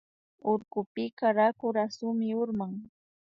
Urkupika raku rasumi urman